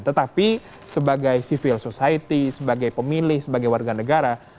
tetapi sebagai civil society sebagai pemilih sebagai warga negara